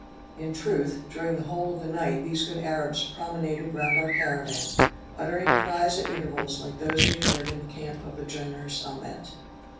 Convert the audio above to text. In truth, during the whole of the night these good Arabs promenaded round our caravan, uttering cries at intervals like those we had heard in the camp of the generous Amet.